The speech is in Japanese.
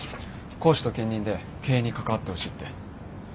講師と兼任で経営に関わってほしいって。